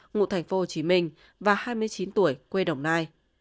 ngụ tp hcm và hai mươi chín tuổi quê đồng nai